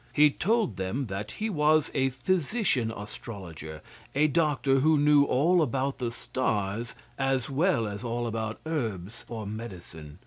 He told them that he was a physician astrologer a doctor who knew all about the stars as well as all about herbs for medicine.